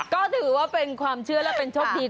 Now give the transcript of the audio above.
ก็ถือว่าเป็นความเชื่อและเป็นโชคดี